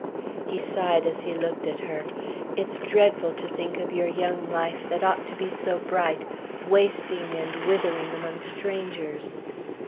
He sighed as he looked at her. "It's dreadful to think of your young life, that ought to be so bright, wasting and withering among strangers."